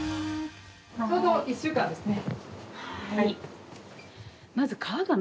ちょうど１週間ですね。